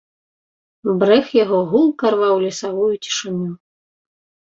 Брэх яго гулка рваў лесавую цішыню.